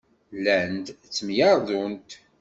Llant ttemyerdunt.